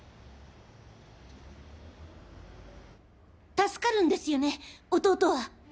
助かるんですよね弟は？